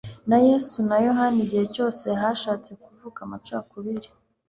na Yesu na Yohana igihe cyose hashatse kuvuka amacakubiri.